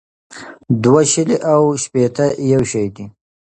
دوه شلې او ښپيته يو شٸ دى